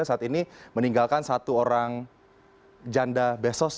saat ini meninggalkan satu orang janda besos